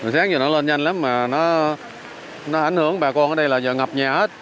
sáng giờ nó lên nhanh lắm mà nó ảnh hưởng bà con ở đây là giờ ngập nhà hết